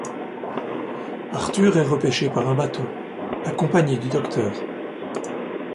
Arthur est repêché par un bateau, accompagné du Dr.